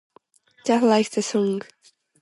Just like the song.